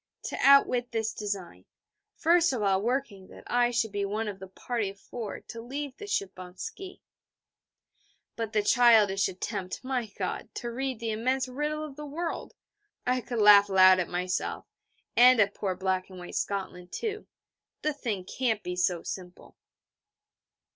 to outwit this design, first of all working that I should be one of the party of four to leave the ship on ski. But the childish attempt, my God, to read the immense riddle of the world! I could laugh loud at myself, and at poor Black and White Scotland, too. The thing can't be so simple.